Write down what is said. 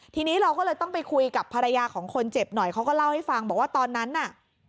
ทีนี้เราก็เลยต้องไปคุยกับภรรยาของคนเจ็บหน่อยเขาก็เล่าให้ฟังบอกว่าตอนนั้นน่ะ